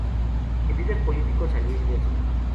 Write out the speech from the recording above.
El líder político salió ileso.